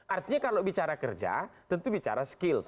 artinya kalau bicara kerja tentu bicara skills